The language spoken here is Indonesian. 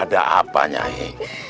ada apa nyai